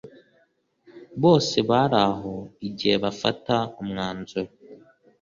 bose bari aho igihe bafata umwanzuro